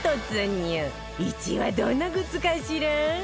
１位はどんなグッズかしら？